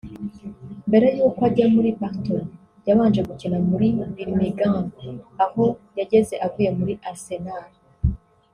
mbere y’uko ajya muri Bolton yabanje gukina muri Birmingham aho yageze avuye muri Arsenal